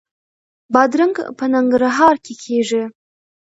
بادرنګ په ننګرهار کې کیږي